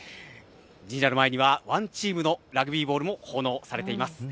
神社の前にはＯＮＥＴＥＡＭのラグビーボールも奉納されています。